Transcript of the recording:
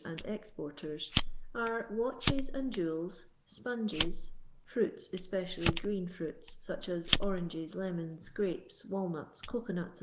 and exporters, are, watdMi and jewels, sponges — ^fruits, especially green fruits, such ai oranges, lemons, grapes, walnuts, cocoarnuts, &c.